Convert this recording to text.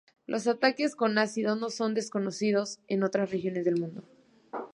Los ataques con ácido no son desconocidos en otras regiones del mundo.